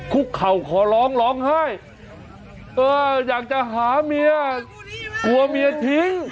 เข่าขอร้องร้องไห้เอออยากจะหาเมียกลัวเมียทิ้ง